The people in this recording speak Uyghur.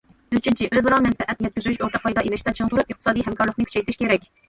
ئۈچىنچى، ئۆزئارا مەنپەئەت يەتكۈزۈش، ئورتاق پايدا ئېلىشتا چىڭ تۇرۇپ، ئىقتىسادىي ھەمكارلىقنى كۈچەيتىش كېرەك.